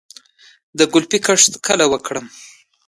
د ګلپي کښت کله وکړم؟